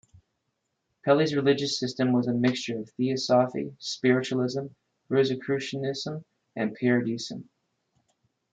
Pelley's religious system was a mixture of theosophy, spiritualism, Rosicrucianism, and pyramidism.